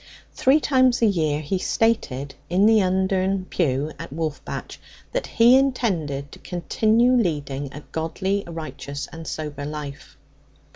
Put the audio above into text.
Three times a year he stated in the Undern pew at Wolfbatch that he intended to continue leading a godly, righteous, and sober life.